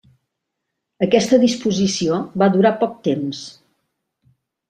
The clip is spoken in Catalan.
Aquesta disposició va durar poc temps.